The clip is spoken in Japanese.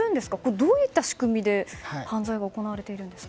どういった仕組みで犯罪が行われているですか？